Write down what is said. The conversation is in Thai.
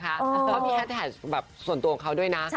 เขามีแฮสแท็กแบบส่วนตัวของเขาด้วยนะ